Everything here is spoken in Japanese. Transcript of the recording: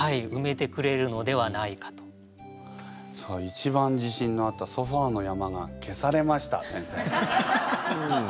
一番自信のあった「ソファーの山」が消されました先生。